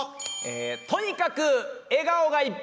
とにかく笑顔がいっぱいで。